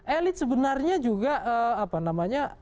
elit sebenarnya juga apa namanya